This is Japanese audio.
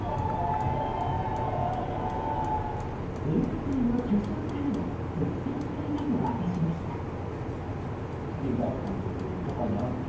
映画界の巨匠からも絶賛されたと明かしました。